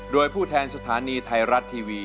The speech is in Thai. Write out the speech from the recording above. โดยผู้แทนสถานีไทยรัฐทีวี